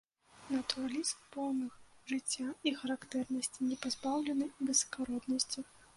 Натуралізм, поўны жыцця і характэрнасці, не пазбаўлены высакароднасці.